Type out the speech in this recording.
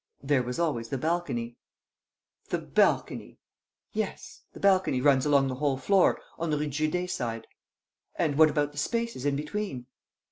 "There was always the balcony." "The balcony!" "Yes; the balcony runs along the whole floor, on the Rue de Judée side." "And what about the spaces in between?"